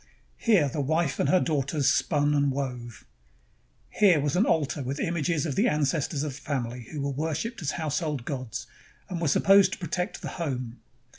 Here the wife and her daughters spun and wove. Here was an altar with im ages of the ancestors of the family who were worshiped as household gods, and were supposed to protect the home.